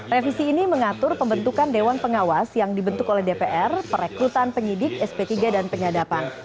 revisi ini mengatur pembentukan dewan pengawas yang dibentuk oleh dpr perekrutan penyidik sp tiga dan penyadapan